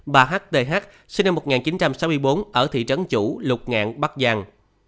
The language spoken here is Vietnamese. một mươi hai bà h t h sinh năm một nghìn chín trăm sáu mươi bốn ở thị trấn chủ lục ngạn bắc giang